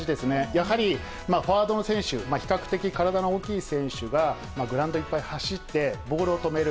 やはり、フォワードの選手、比較的体の大きい選手がグラウンドいっぱい走って、ボールを止める。